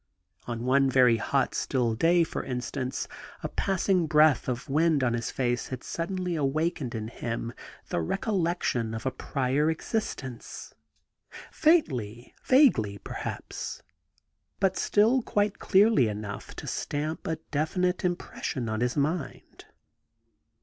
On one very hot, still day, for instance, a passing breath of wind on his face had suddenly awakened in him the recollection of a prior existence — ^faintly, vaguely, perhaps, but still quite clearly enough to stamp a definite impression on his mind.